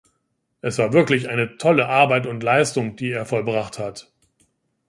Es war wirklich eine tolle Arbeit und Leistung, die er vollbracht hat.